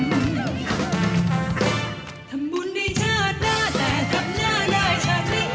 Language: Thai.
ทำบุญให้ชาติหน้าแต่ทำหน้าได้ชาตินี้